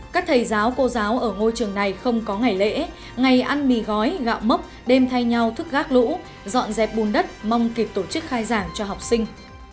các thầy giáo cô giáo ở ngôi trường này không có ngày lễ ngày ăn mì gói gạo mốc đêm thay nhau thức gác lũ dọn dẹp bùn đất mong kịp tổ chức khai giảng cho học sinh